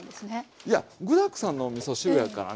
いや具だくさんのおみそ汁やからね